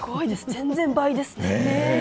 全然、倍ですね。